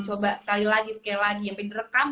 coba sekali lagi sekali lagi sampai direkam